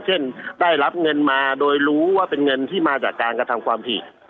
เช่นได้รับเงินมาโดยรู้ว่าเป็นเงินที่มาจากการกระทำความผิด